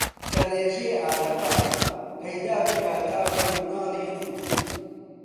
دەڕێژێ ئارەقە، پەیدا بکا تا بۆ مناڵی قووت